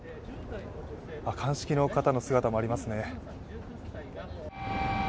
鑑識の方の姿もありますね。